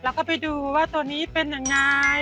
แล้วก็ไปดูว่าตัวนี้เป็นยังไง